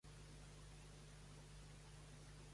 Martin Friedland, The University of Toronto. A History.